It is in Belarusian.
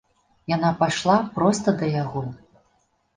Яна пайшла проста да яго.